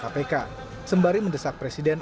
kpk sembari mendesak presiden